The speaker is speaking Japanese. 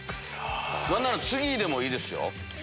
何なら次でもいいですよ。